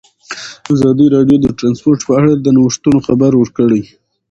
ازادي راډیو د ترانسپورټ په اړه د نوښتونو خبر ورکړی.